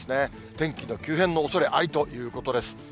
天気の急変のおそれありということです。